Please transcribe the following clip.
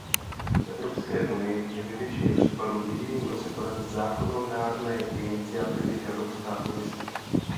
V Evropské unii je ve většině případů jediným nositelem zákonodárné iniciativy Evropská komise.